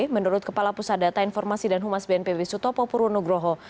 menurut kepala pusat data informasi dan humas bnpb sutopo purwonugroho